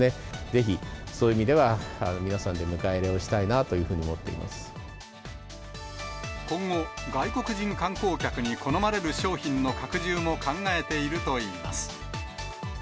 ぜひ、そういう意味では皆さんで迎え入れをしたいなというふうに思って今後、外国人観光客に好まれる商品の拡充も考えているといいます。